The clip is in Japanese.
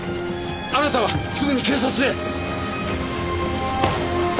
あなたはすぐに警察へ！